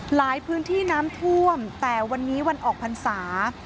หลายพื้นที่น้ำท่วมแต่วันนี้วันออกพรรษา